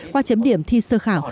qua chấm điểm thi sơ khảo